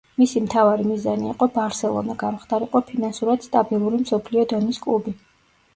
მისი მთავარი მიზანი იყო „ბარსელონა“ გამხდარიყო ფინანსურად სტაბილური მსოფლიო დონის კლუბი.